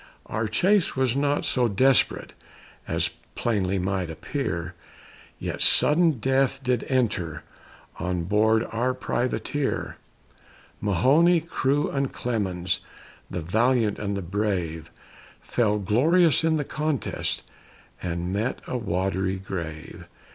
Our case was not so desperate As plainly might appear; Yet sudden death did enter On board our privateer. Mahoney, Crew, and Clemmons, The valiant and the brave, Fell glorious in the contest, And met a watery grave.